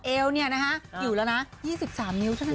เอวอยู่แล้วนะ๒๓นิ้ว